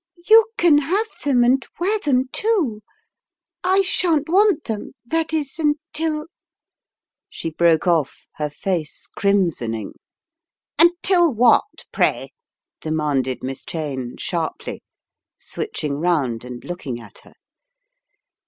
"You can have them and wear them, too. I shan't want them, that is, until " she broke off, her face crimsoning. "Until what, pray?" demanded Miss Cheyne, sharply, switching round and looking at her.